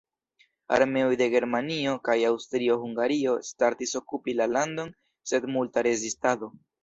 Armeoj de Germanio kaj Aŭstrio-Hungario startis okupi la landon sen multa rezistado.